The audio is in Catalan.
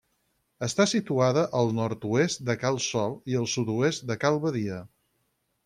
Està situada al nord-oest de Cal Sol i al sud-oest de Cal Badia.